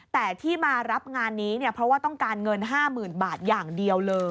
แต่ที่มารับงานนี้เนี่ยเพราะว่าต้องการเงิน๕๐๐๐บาทอย่างเดียวเลย